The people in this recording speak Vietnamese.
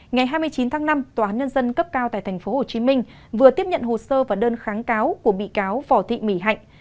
ngày hai mươi chín tháng năm tòa án nhân dân cấp cao tại tp hcm vừa tiếp nhận hồ sơ và đơn kháng cáo của bị cáo võ thị mỹ hạnh